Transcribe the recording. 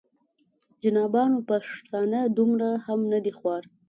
جنابانو پښتانه دومره هم نه دي خوار.